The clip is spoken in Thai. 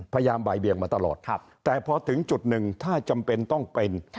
พยายามบ่ายเบียงมาตลอดแต่พอถึงจุดหนึ่งถ้าจำเป็นต้องเป็น